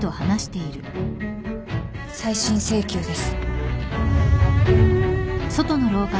再審請求です。